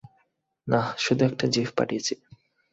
নাহ, শুধু একটা জিফ পাঠিয়েছি।